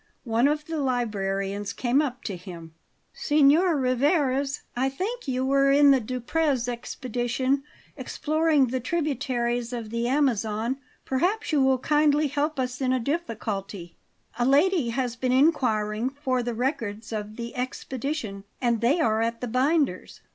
One of the librarians came up to him. "Signor Rivarez! I think you were in the Duprez expedition, exploring the tributaries of the Amazon? Perhaps you will kindly help us in a difficulty. A lady has been inquiring for the records of the expedition, and they are at the binder's."